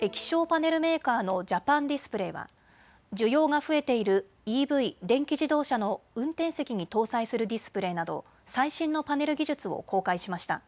液晶パネルメーカーのジャパンディスプレイは需要が増えているＥＶ・電気自動車の運転席に搭載するディスプレーなど最新のパネル技術を公開しました。